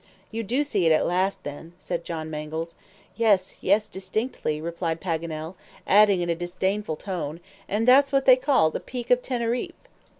"You do see it at last, then," said John Mangles. "Yes, yes, distinctly," replied Paganel, adding in a disdainful tone, "and that's what they call the Peak of Teneriffe!"